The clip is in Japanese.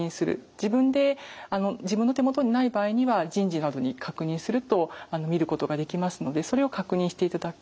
自分で自分の手元にない場合には人事などに確認すると見ることができますのでそれを確認していただく。